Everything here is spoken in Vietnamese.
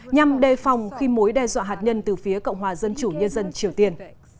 nhằm đề phòng khi mối đe dọa hạt nhân từ phía cộng hòa dân chủ nhân dân triều tiên